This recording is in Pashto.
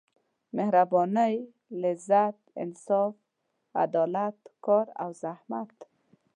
مهربانۍ لذت انصاف عدالت کار او زحمت.